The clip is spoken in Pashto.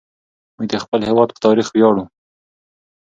موږ د خپل هېواد په تاريخ وياړو.